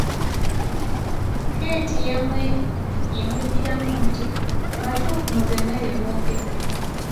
Keeti yamweddiramu nti, batuufu mu byonna bye boogedde.